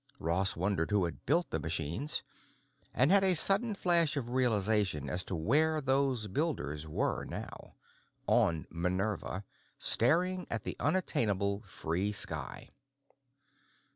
Ross wondered who had built the machines, and had a sudden flash of realization as to where those builders were now: On "Minerva," staring at the unattainable free sky.